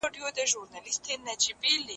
ناترسه یاره چيري لاړې